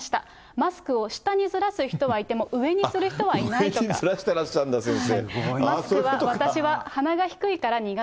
マスクを下にずらす人はいても、上にずらしてらっしゃるんだ、先生。